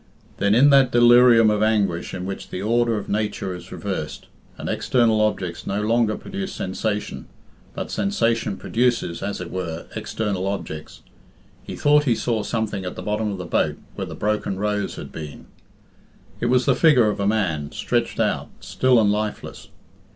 Then in that delirium of anguish in which the order of nature is reversed, and external objects no longer produce sensation, but sensation produces, as it were, external objects, he thought he saw something at the bottom of the boat where the broken rose had been. It was the figure of a man, stretched out, still and lifeless.